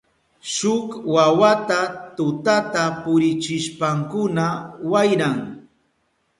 Shuk wawata tuta purichishpankuna wayran.